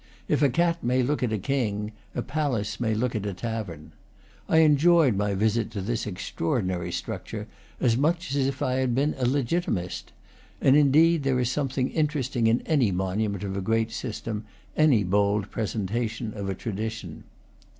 If a cat may look at a king, a palace may lock at a tavern. I enjoyed my visit to this extraordinary struc ture as much as if I had been a legitimist; and indeed there is something interesting in any monument of a great system, any bold presentation of a tradition.